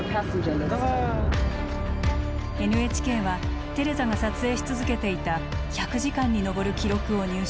ＮＨＫはテレザが撮影し続けていた１００時間に上る記録を入手。